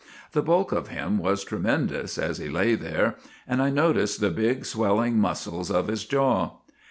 The bulk of him was tremen dous as he lay there, and I noticed the big, swelling muscles of his jaw.